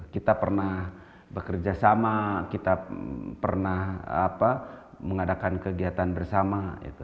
kita pernah bekerja sama kita pernah mengadakan kegiatan bersama